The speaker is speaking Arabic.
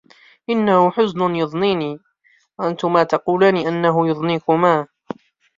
إنّهُ حزنٌ يضنيني، وأنتما تقولان أنه يضنيكما